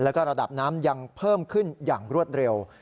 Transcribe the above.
แล้วก็ระดับน้ำยังเพิ่มขึ้นอย่างรวดเร็ว